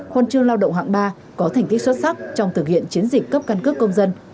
huân chương lao động hạng ba có thành tích xuất sắc trong thực hiện chiến dịch cấp căn cước công dân